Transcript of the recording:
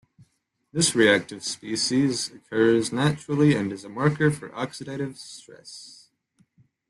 This reactive species occurs naturally and is a marker for oxidative stress.